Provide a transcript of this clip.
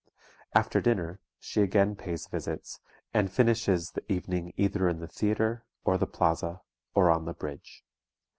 After dinner she again pays visits, and finishes the evening either in the theatre, or the Plaza, or on the bridge.